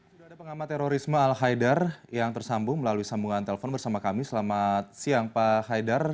sudah ada pengamat terorisme al haidar yang tersambung melalui sambungan telepon bersama kami selamat siang pak haidar